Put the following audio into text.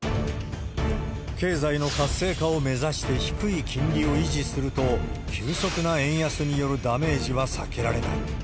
経済の活性化を目指して低い金利を維持すると、急速な円安によるダメージは避けられない。